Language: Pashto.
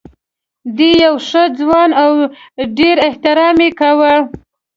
دی یو ښه ځوان و او ډېر احترام یې کاوه.